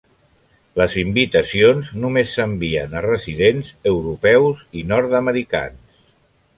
Les invitacions només s'envien a residents europeus i nord-americans.